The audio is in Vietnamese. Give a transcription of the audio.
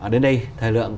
đến đây thời lượng